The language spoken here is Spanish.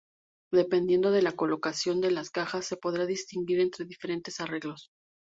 Dependiendo de la colocación de las cajas se podrá distinguir entre diferentes arreglos.